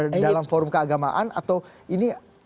ada dalam forum keagamaan atau ini